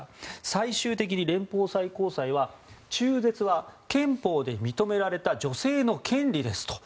最終的に連邦最高裁は中絶は憲法で認められた女性の権利ですと。